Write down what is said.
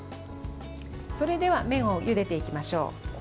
それでは麺をゆでていきましょう。